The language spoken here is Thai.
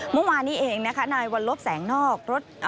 เมื่อวานนี้เองนะคะนายวัลลบแสงนอกรถ